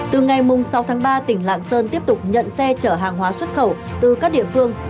từ ngày sáu tháng ba tỉnh lạng sơn tiếp tục nhận xe chở hàng hóa xuất khẩu từ các địa phương